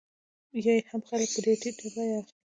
یا یې هم خلک په ډېره ټیټه بیه اخلي